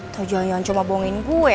tujuan jangan cuma bohongin gue